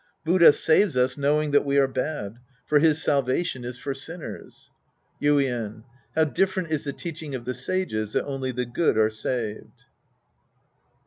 Buddha saves us knowing that we are bad. For his salvation is for sinners. Yuien. How different is the teaching of the sages that only the good are saved